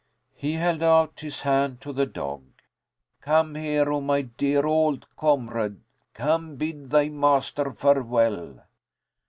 He held out his hand to the dog. "Come, Hero, my dear old comrade, come bid thy master farewell."